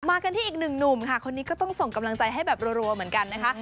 กันที่อีกหนึ่งหนุ่มค่ะคนนี้ก็ต้องส่งกำลังใจให้แบบรัวเหมือนกันนะคะ